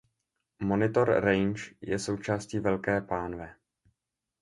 Monitor Range je součástí Velké pánve.